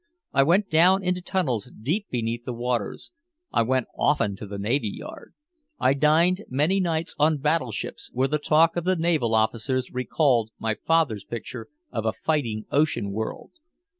I went down into tunnels deep beneath the waters. I went often to the Navy Yard. I dined many nights on battleships, where the talk of the naval officers recalled my father's picture of a fighting ocean world.